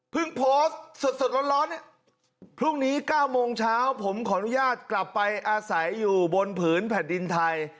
โพสต์สดร้อนพรุ่งนี้๙โมงเช้าผมขออนุญาตกลับไปอาศัยอยู่บนผืนแผ่นดินไทย